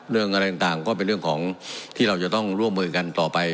เรื่องอะไรต่างก็เป็นเรื่องของที่เราจะต้องร่วมมือกันต่อไป